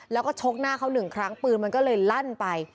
แล้วก็ชกหน้าเขาหนึ่งครั้งปืนมันก็เลยลั่นไป